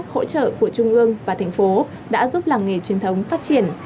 hỗ trợ của trung ương và thành phố đã giúp làng nghề truyền thống phát triển